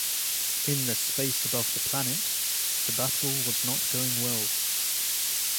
In the space above the planet, the battle was not going well.